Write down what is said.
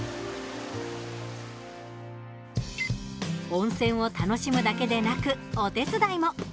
温泉を楽しむだけでなくお手伝いも。